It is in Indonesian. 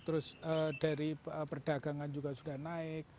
terus dari perdagangan juga sudah naik